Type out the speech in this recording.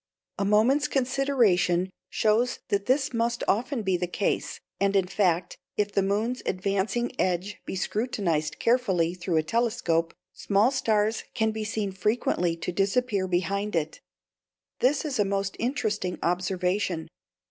A moment's consideration shows that this must often be the case; and in fact, if the moon's advancing edge be scrutinized carefully through a telescope, small stars can be seen frequently to disappear behind it. This is a most interesting observation.